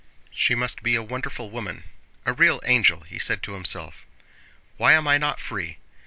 "She must be a wonderful woman. A real angel!" he said to himself. "Why am I not free?